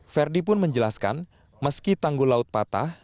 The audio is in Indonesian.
ferdi pun menjelaskan meski tanggul laut patah